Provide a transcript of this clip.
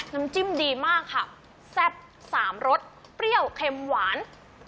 น้ำจิ้มดีมากค่ะแซ่บสามรสเปรี้ยวเค็มหวาน